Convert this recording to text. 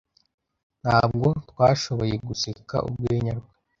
Ntabwo twashoboye guseka urwenya rwe.